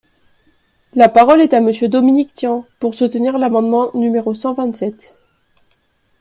La parole est à Monsieur Dominique Tian, pour soutenir l’amendement numéro cent vingt-sept.